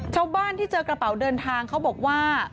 ชาวบ้านที่เจอกระเป๋าเดินทางเขาบอกว่า